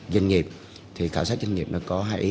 và khảo sát doanh nghiệp có hai ý